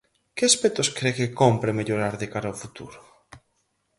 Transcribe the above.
Que aspectos cre que cómpre mellorar de cara ao futuro?